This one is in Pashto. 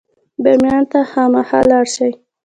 بامیان ته خامخا لاړ شئ.